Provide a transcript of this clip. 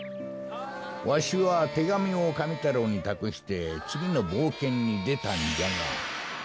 わしはてがみをカメ太郎にたくしてつぎのぼうけんにでたんじゃが。